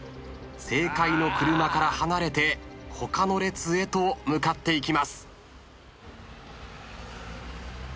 正解の車から離れて他の列へと向かっていきます。